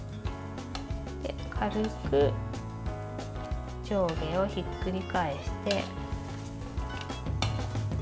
軽く上下をひっくり返して。